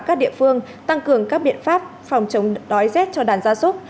các địa phương tăng cường các biện pháp phòng chống đói rét cho đàn gia súc